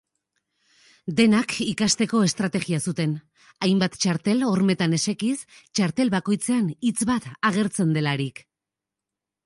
Denak ikasteko estrategia zuten, hainbat txartel hormetan esekiz, txartel bakoitzean hitz bat agertzen delarik.